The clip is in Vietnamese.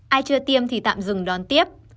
ai chưa tiêm thì tạm dừng đón tiếp